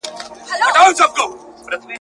چي سي طوق د غلامۍ د چا په غاړه `